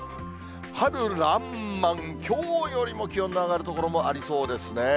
春らんまん、きょうよりも気温の上がる所もありそうですね。